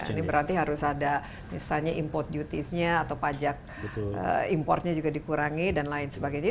ini berarti harus ada misalnya import beauty nya atau pajak importnya juga dikurangi dan lain sebagainya